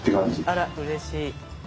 あらうれしい。